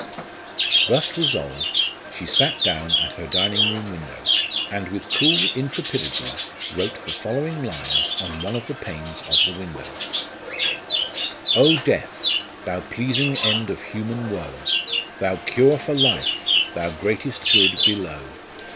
Thus resolved, she sat down at her dining room window, and with cool intrepidity wrote the following lines on one of the panes of the window : "0 Death ! thou pleasing end of human woe ! Thou cure for life ! thou greatest good below